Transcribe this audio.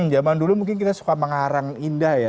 zaman dulu mungkin kita suka mengarang indah ya